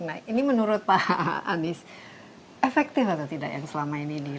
nah ini menurut pak anies efektif atau tidak yang selama ini di